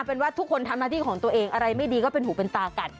เป็นว่าทุกคนทำหน้าที่ของตัวเองอะไรไม่ดีก็เป็นหูเป็นตากัน